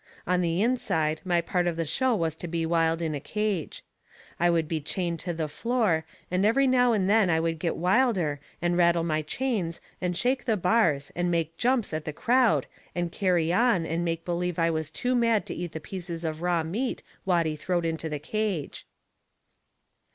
On the inside my part of the show was to be wild in a cage. I would be chained to the floor, and every now and then I would get wilder and rattle my chains and shake the bars and make jumps at the crowd and carry on, and make believe I was too mad to eat the pieces of raw meat Watty throwed into the cage.